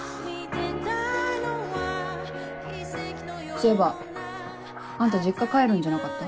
そういえばあんた実家帰るんじゃなかった？